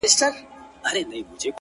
دى خو بېله تانه كيسې نه كوي،